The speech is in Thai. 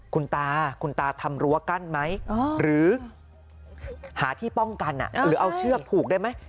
คุณตาคุณตาทำรั้วกั้นไหมหรือหาที่ป้องกันหรือเอาเชือกผูกได้ไหม